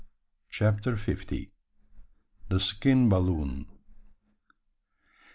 CHAPTER FIFTY. THE SKIN BALLOON.